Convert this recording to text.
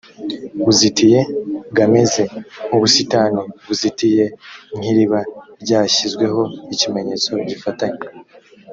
buzitiye g ameze nk ubusitani buzitiye nk iriba ryashyizweho ikimenyetso gifatanya